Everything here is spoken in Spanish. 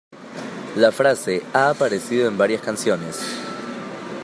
La frase ha aparecido en varias canciones.